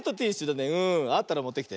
あったらもってきて。